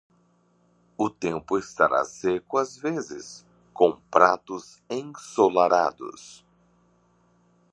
O tempo estará seco às vezes, com pratos ensolarados.